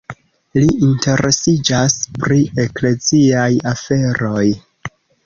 Li interesiĝas pri ekleziaj aferoj.